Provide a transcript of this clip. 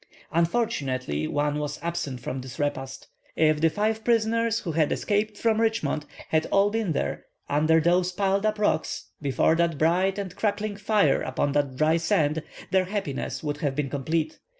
Unfortunately, one was absent from this repast. If the five prisoners who had escaped from Richmond had all been there, under those piled up rocks, before that bright and crackling fire upon that dry sand, their happiness would have been complete.